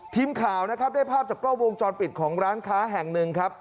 ทีมข่าวนะครับได้ภาพจากกล้องวงจรปิดของร้านค้าแห่งหนึ่งครับ